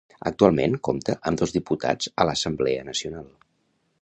Actualment compta amb dos diputats a l'Assemblea nacional.